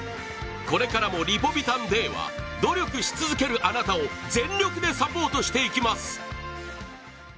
これからもリポビタンＤは努力し続けるあなたを全力でサポートしていきます。